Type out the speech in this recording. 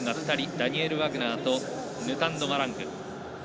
ダニエル・ワグナーとヌタンド・マラング。